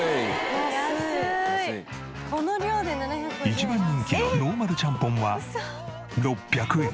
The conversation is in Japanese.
一番人気のノーマルちゃんぽんは６００円。